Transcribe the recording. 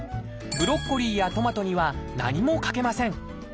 ブロッコリーやトマトには何もかけません。